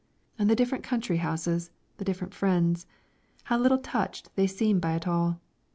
And the different country houses, the different friends, how little touched they seem by it all!